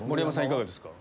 いかがですか？